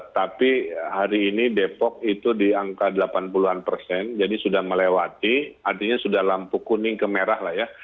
tapi hari ini depok itu di angka delapan puluh an persen jadi sudah melewati artinya sudah lampu kuning ke merah lah ya